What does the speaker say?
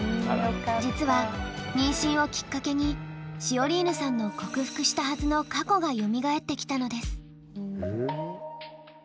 実は妊娠をきっかけにシオリーヌさんの克服したはずの過去がよみがえってきたのです。